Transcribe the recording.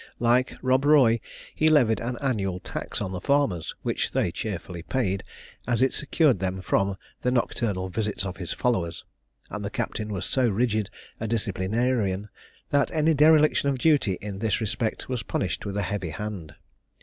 Like Rob Roy, he levied an annual tax on the farmers, which they cheerfully paid, as it secured them from the nocturnal visits of his followers; and the Captain was so rigid a disciplinarian, that any dereliction of duty in this respect was punished with a heavy hand.